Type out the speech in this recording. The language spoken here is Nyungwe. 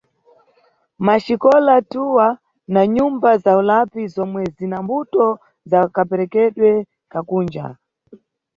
Maxikola twa na Nyumba za ulapi zomwe zina mbuto za kaperekedwe ka Kunja.